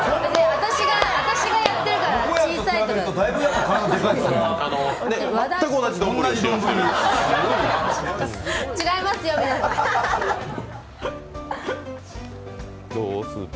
私がやってるから小さいとか。